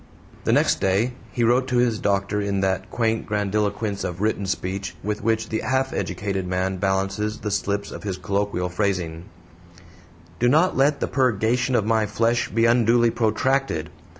The next day he wrote to his doctor in that quaint grandiloquence of written speech with which the half educated man balances the slips of his colloquial phrasing: Do not let the purgation of my flesh be unduly protracted.